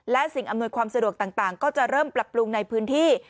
และสิ่งอำนวยความสะดวกต่างก็จะเริ่มปรับปรุงในพื้นที่